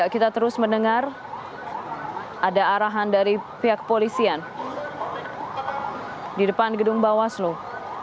kita terus mendengar ada arahan dari pihak polisian di depan gedung bawaslu